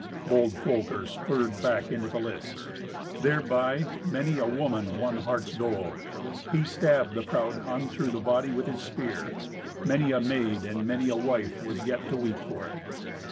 Bold Folker spurred back into the lists. Thereby many a woman won heart's dole. He stabbed the proud Hun through the body with his spear. Many a maid and many a wife was yet to weep for it.